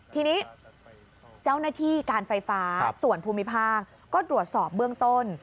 ทีนี้เจ้าหน้าที่การไฟฟ้าส่วนภูมิภาคก็ตรวจสอบเบื้องต้น